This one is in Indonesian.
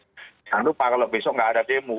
jangan lupa kalau besok nggak ada demo